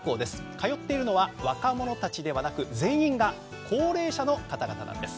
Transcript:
通っているの若者ではなく全員が高齢者の方々なんです。